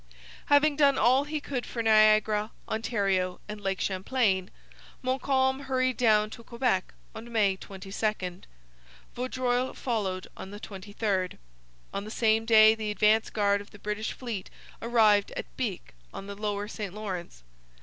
Having done all he could for Niagara, Ontario, and Lake Champlain, Montcalm hurried down to Quebec on May 22. Vaudreuil followed on the 23rd. On the same day the advance guard of the British fleet arrived at Bic on the lower St Lawrence.